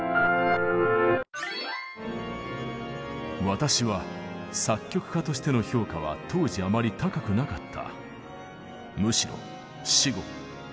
私は作曲家としての評価は当時あまり高くなかった。